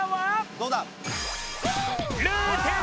どうだ？